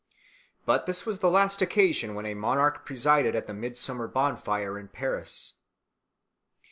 But this was the last occasion when a monarch presided at the midsummer bonfire in Paris.